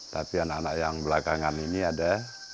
tapi anak anak yang belakangan ini ada